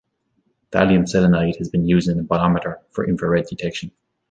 Thallium selenide has been used in a bolometer for infrared detection.